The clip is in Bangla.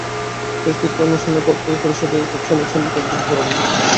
শেষকৃত্য অনুষ্ঠানের অর্থ পরিশোধেও একই সময় পর্যন্ত পুরোনো রুপি ব্যবহার করা যাবে।